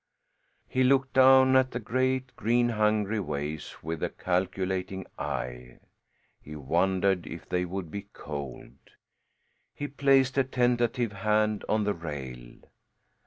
He looked down at the great, green, hungry waves with a calculating eye; he wondered if they would be cold. He placed a tentative hand on the rail.